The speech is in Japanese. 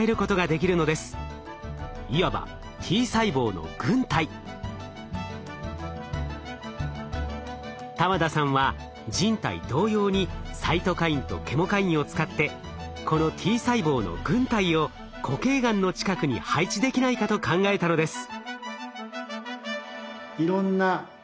いわば玉田さんは人体同様にサイトカインとケモカインを使ってこのＴ細胞の軍隊を固形がんの近くに配置できないかと考えたのです。